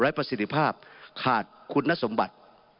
หล้ายประสิทธิภาพขาดคุณทรัพย์สมบัติ